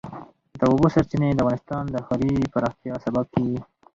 د اوبو سرچینې د افغانستان د ښاري پراختیا سبب کېږي.